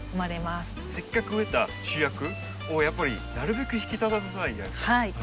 せっかく植えた主役をやっぱりなるべく引き立たせたいじゃないですか。